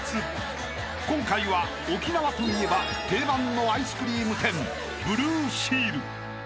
［今回は沖縄といえば定番のアイスクリーム店ブルーシール］